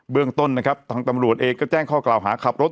เรื่องต้นนะครับทางตำรวจเองก็แจ้งข้อกล่าวหาขับรถ